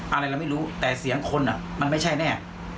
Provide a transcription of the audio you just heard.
อะไรเราไม่รู้แต่เสียงคนมันไม่ใช่แน่